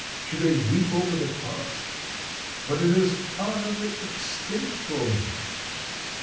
Should I weep over the past? but it is utterly extinct for me!